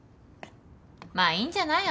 まあいいんじゃない？